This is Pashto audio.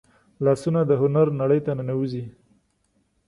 لاسونه د هنر نړۍ ته ننوځي